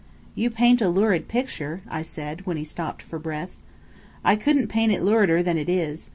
"You paint a lurid picture" I said, when he stopped for breath. "I couldn't paint it lurider than it is.